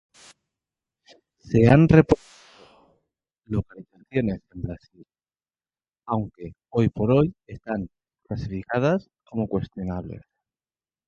Se han reportado localizaciones en Brasil, aunque, hoy por hoy, están clasificadas como cuestionables.